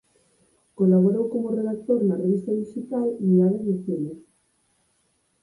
Colaborou como redactor na revista dixital "Miradas de Cine".